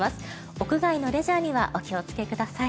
屋外のレジャーにはお気をつけください。